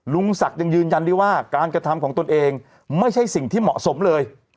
ลุงศักดิ์ยังยืนยันได้ว่าการกระทำของตนเองไม่ใช่สิ่งที่เหมาะสมเลย